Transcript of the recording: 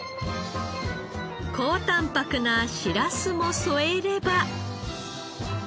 高タンパクなシラスも添えれば。